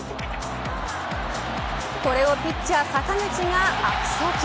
これをピッチャー坂口が悪送球。